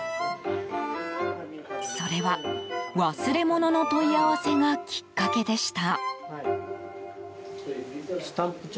それは、忘れ物の問い合わせがきっかけでした。